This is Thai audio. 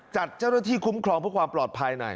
จัดเจ้าหน้าที่คุ้มครองเพื่อความปลอดภัยหน่อย